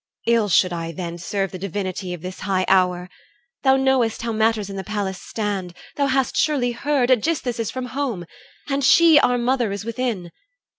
Ill should I then Serve the divinity of this high hour! Thou knowest how matters in the palace stand. Thou hast surely heard, Aegisthus is from home, And she, our mother, is within.